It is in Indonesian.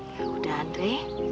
ya udah andre